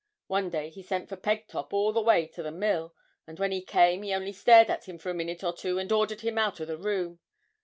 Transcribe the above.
One day he sent for Pegtop all the way to the mill; and when he came, he only stared at him for a minute or two, and ordered him out o' the room.